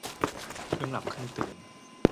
ครึ่งหลับครึ่งตื่น